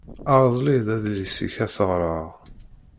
Rḍel-iyi-d adlis-ik ad t-ɣreɣ.